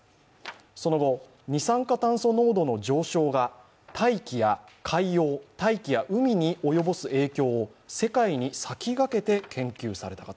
その後、二酸化炭素濃度の上昇が大気や海洋に及ぼす影響を世界に先駆けて研究された方。